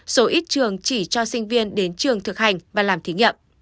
số ít trường chỉ cho sinh viên đến trường thực hành và làm thí nghiệm